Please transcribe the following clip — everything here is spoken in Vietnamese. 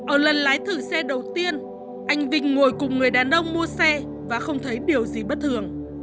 ở lần lái thử xe đầu tiên anh vinh ngồi cùng người đàn ông mua xe và không thấy điều gì bất thường